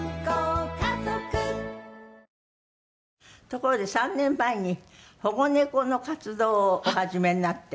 ところで３年前に保護猫の活動をお始めになって？